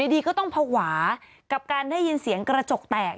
ดีก็ต้องภาวะกับการได้ยินเสียงกระจกแตก